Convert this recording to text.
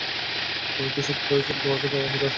তুমি কি সত্যিই ভেবেছিলে তোমার কাছে আবার ফিরে আসব?